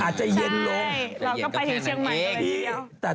อาจจะเย็นลงอยู่ด้วยเชียงหมายตัวเองก็แค่นั้นเอง